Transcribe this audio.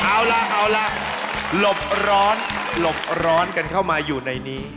เอาละเอาละหลบร้อนกันเข้ามาอยู่ในนี้